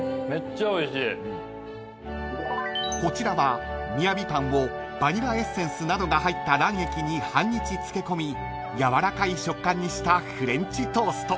［こちらはミヤビパンをバニラエッセンスなどが入った卵液に半日漬け込みやわらかい食感にしたフレンチトースト］